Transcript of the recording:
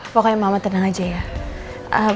pokoknya mama tenang aja ya